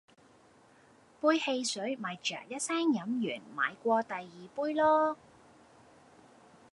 杯汽水咪啅一聲飲完買過第二杯囉